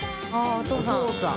お父さん。